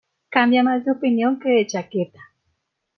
Cambia más de opinión que de chaqueta